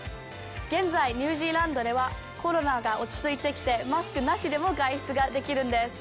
現在、ニュージーランドでは、コロナが落ち着いてきて、マスクなしでも外出ができるんです。